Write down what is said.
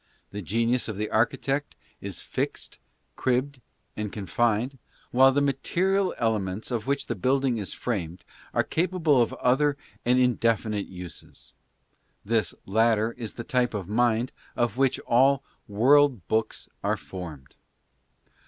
The genius of the archi tect is fixed, cribbed and confined, while the material elements of which the building is framed are capable of other and indefi nite uses. This latter is the type of mind of which all i; world books" are formed.